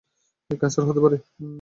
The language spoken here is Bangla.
ক্যান্সার হতে পারে।